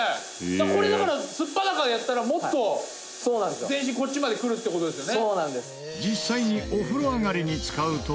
これ、だから、素っ裸でやったらもっと全身こっちまでくるって事ですよね？」